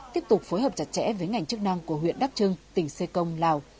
tiếp tục phối hợp chặt chẽ với ngành chức năng của huyện đắk trưng tỉnh sê công lào